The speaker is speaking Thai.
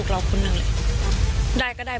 เกี่ยวที่ทำได้ขึ้นคือ